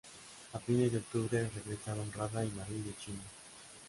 A fines de octubre regresaron Rada y Marín de China.